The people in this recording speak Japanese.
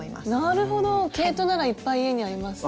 なるほど毛糸ならいっぱい家にあります。